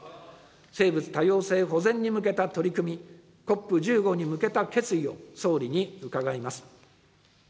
生物多様性保全に向けた取り組み、ＣＯＰ１５に向けた決意を総理に伺います。